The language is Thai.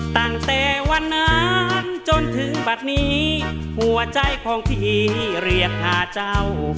ตั้งแต่วันนั้นจนถึงบัตรนี้หัวใจของพี่เรียกหาเจ้า